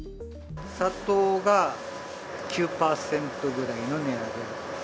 砂糖が９％ぐらいの値上げ。